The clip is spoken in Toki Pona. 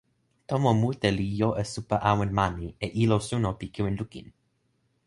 tomo mute li jo e supa awen mani, e ilo suno pi kiwen lukin!